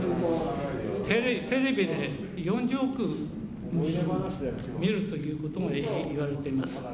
テレビで４０億の人が見るということが言われています。